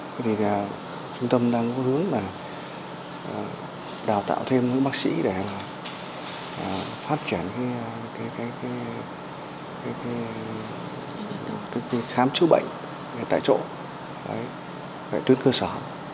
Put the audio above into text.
thì trung tâm đang có hướng là đào tạo thêm các bác sĩ để phát triển khám chữa bệnh tại chỗ tuyến cơ sở